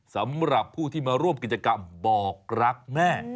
สำหรับผู้ที่มาร่วมกิจกรรมบอกรักแม่